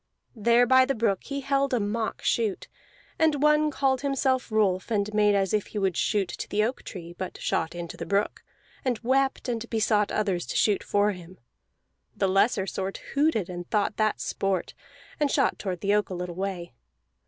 There by the brook he held a mock shoot; and one called himself Rolf and made as if he would shoot to the oak tree, but shot into the brook, and wept, and besought others to shoot for him. The looser sort hooted and thought that sport, and shot toward the oak a little way.